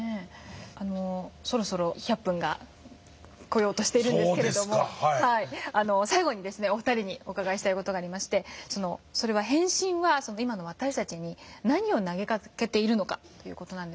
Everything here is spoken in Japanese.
そろそろ１００分が来ようとしているんですけれど最後にお二人にお伺いしたい事がありまして「変身」は今の私たちに何を投げかけているのかと。